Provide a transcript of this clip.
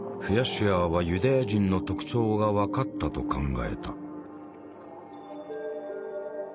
シュアーはユダヤ人の特徴が分かったと考えた。